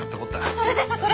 それですそれ！